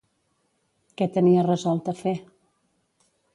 Què tenia resolt a fer?